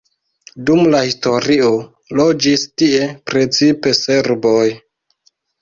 Dum la historio loĝis tie precipe serboj.